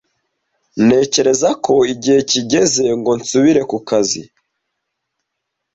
Ntekereza ko igihe kigeze ngo nsubire ku kazi.